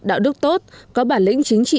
đạo đức tốt có bản lĩnh chính trị